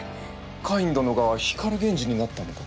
カイン殿が光源氏になったのか？